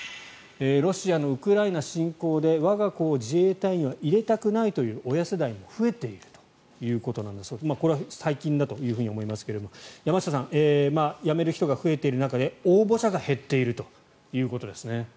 ロシアのウクライナ侵攻で我が子を自衛隊には入れたくないという親世代が増えているということなんですがこれは最近だと思いますが山下さん、辞める人が増えている中で応募者が減っているということですね。